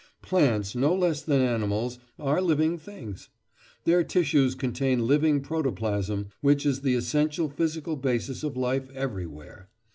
Plants, no less than animals, are living things. Their tissues contain living protoplasm, which is the essential physical basis of life everywhere....